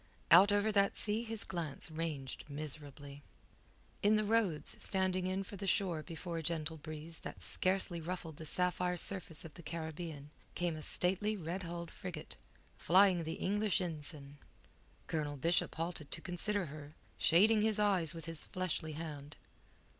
Out over that sea his glance ranged miserably. In the roads, standing in for the shore before a gentle breeze that scarcely ruffled the sapphire surface of the Caribbean, came a stately red hulled frigate, flying the English ensign. Colonel Bishop halted to consider her, shading his eyes with his fleshly hand.